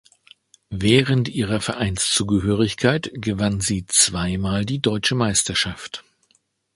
Während ihrer Vereinszugehörigkeit gewann sie zweimal die Deutsche Meisterschaft.